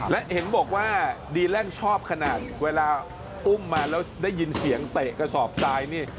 และเห็นบอกว่าดีแลนด์ชอบขนาดเวลาอุ้มมาแล้วได้ยินเสียงเตะกระสอบทรายนี่